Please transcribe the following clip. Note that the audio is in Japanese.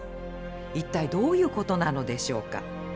一体どういうことなのでしょうか。